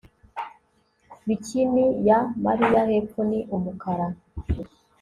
Bikini ya Mariya hepfo ni umukara